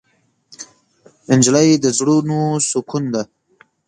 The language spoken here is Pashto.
نجلۍ د زړونو سکون ده.